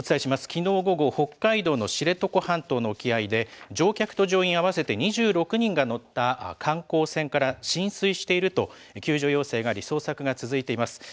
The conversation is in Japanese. きのう午後、北海道の知床半島の沖合で、乗客と乗員合わせて２６人が乗った観光船から浸水していると、救助要請があり、捜索が続いています。